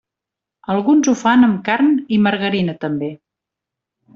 Alguns ho fan amb carn i margarina també.